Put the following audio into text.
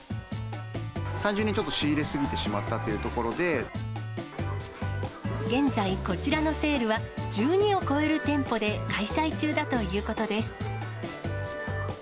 単純にちょっと仕入れ過ぎて現在、こちらのセールは、１２を超える店舗で開催中だということです。